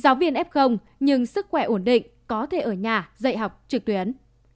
giáo viên f nhưng sức khỏe ổn định có thể ở nhà dạy học trực tuyến